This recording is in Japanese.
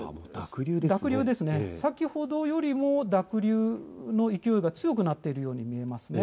先程よりも濁流の勢いが強くなっているように見えます。